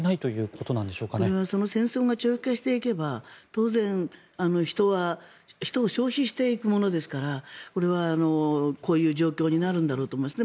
これは戦争が長期化していけば当然人を消費していくものですからこういう状況になるんだろうと思います。